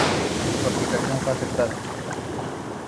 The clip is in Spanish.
Su aplicación fue aceptada.